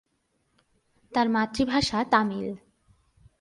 তাঁর মাতৃভাষা তামিল।